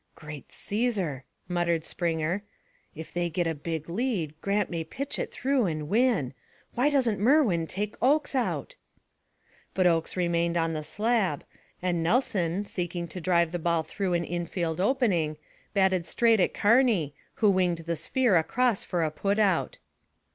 "Great Caesar!" muttered Springer. "If they get a big lead, Grant may pitch it through and win. Why doesn't Merwin take Oakes out?" But Oakes remained on the slab, and Nelson, seeking to drive the ball through an infield opening, batted straight at Carney, who winged the sphere across for a put out.